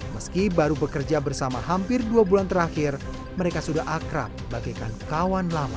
meski baru bekerja bersama hampir dua bulan terakhir mereka sudah akrab bagaikan kawan lama